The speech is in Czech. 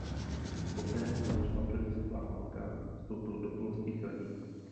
Poté co začala první světová válka vstoupil do polských legií.